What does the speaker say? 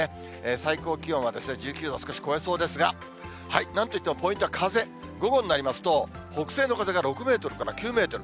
最高気温は１９度を少し超えそうですが、なんといっても、ポイントは風、午後になりますと、北西の風が６メートルから９メートル。